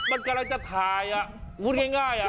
มันกำลังจะทายอ่ะพูดง่ายอ่ะ